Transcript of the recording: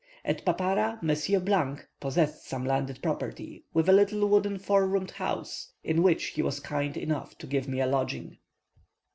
At Papara, Monsieur possessed some landed property, with a little wooden four roomed house, in which he was kind enough to give me a lodging.